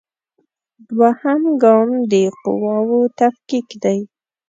دوهم ګام د قواوو تفکیک دی.